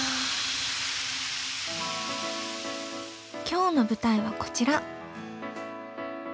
今日の舞台はこちら。